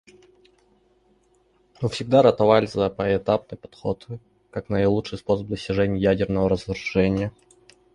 Мы всегда ратовали за поэтапный подход как наилучший способ достижения ядерного разоружения.